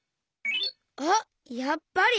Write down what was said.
あっやっぱり！